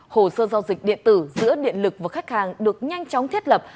hồ sơ giao dịch điện tử giữa điện lực và khách hàng được nhanh chóng thiết lập